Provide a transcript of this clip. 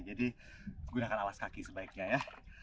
jadi gunakan alas kaki sebaiknya ya